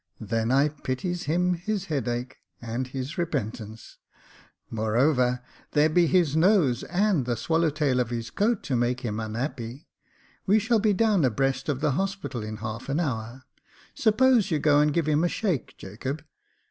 " Then I pities him — his headache, and his repentance. Moreover, there be his nose and the swallow tail of his coat to make him unhappy. We shall be down abreast of the Hospital in half an hour. Suppose you go and give him a shake, Jacob.